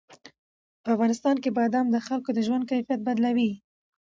په افغانستان کې بادام د خلکو د ژوند کیفیت بدلوي.